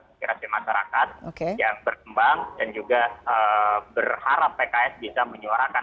aspirasi masyarakat yang berkembang dan juga berharap pks bisa menyuarakan